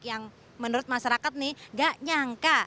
yang menurut masyarakat nih gak nyangka